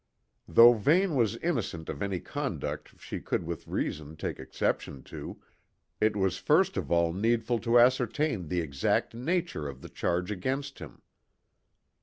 Though Vane was innocent of any conduct she could with reason take exception to, it was first of all needful to ascertain the exact nature of the charge against him.